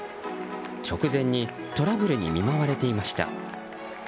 直前にトラブルに見舞われていました。